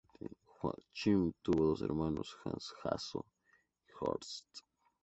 Joachim tuvo dos hermanos, Hans-Hasso y Horst.